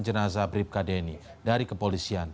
jenazah bribka denny dari kepolisian